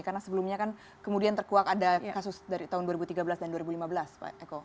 karena sebelumnya kan kemudian terkuat ada kasus dari tahun dua ribu tiga belas dan dua ribu lima belas pak eko